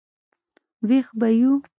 وېښ به یو.